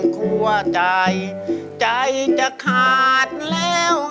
หัวใจใจจะขาดแล้ว